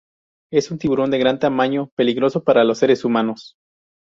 Es un tiburón de gran tamaño, peligroso para los seres humanos.